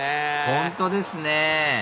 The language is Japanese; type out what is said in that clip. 本当ですね